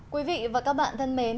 quý vị và các bạn thân mến